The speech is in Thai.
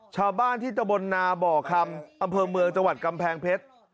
ชาวบ้านที่ตะบนนาบ่อคำอำเภอเมืองจังหวัดกำแพงเพชร